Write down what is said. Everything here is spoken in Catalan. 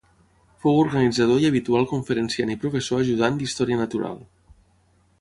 Fou organitzador i habitual conferenciant i professor ajudant d'història natural.